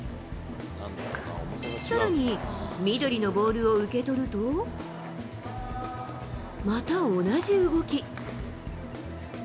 さらに緑のボールを受け取ると、また同じ動き。